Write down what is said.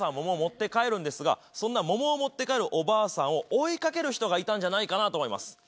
桃を持って帰るんですがそんな桃を持って帰るおばあさんを追いかける人がいたんじゃないかなと思います。